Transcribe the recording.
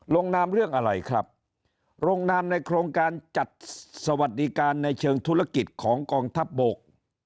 ลงนามเรื่องอะไรครับลงนามในโครงการจัดสวัสดิการในเชิงธุรกิจของกองทัพบก